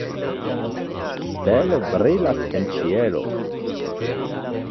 Stelo brilas en ĉielo.